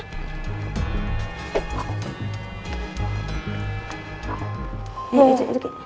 itu itu ki